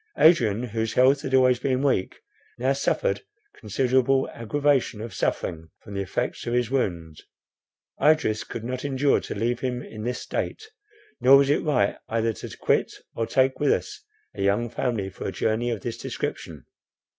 Adrian, whose health had always been weak, now suffered considerable aggravation of suffering from the effects of his wound. Idris could not endure to leave him in this state; nor was it right either to quit or take with us a young family for a journey of this description.